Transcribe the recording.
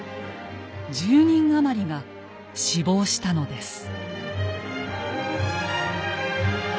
１０人余りが死亡したのです。